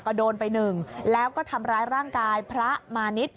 ก็โดนไปหนึ่งแล้วก็ทำร้ายร่างกายพระมาณิชย์